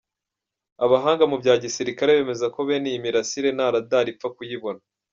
Abahanga mu bya gisirikare bemeza ko bene iyi misile nta Radar ipfa kuyibona.